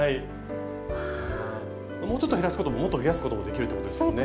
もうちょっと減らすことももっと増やすこともできるってことですね。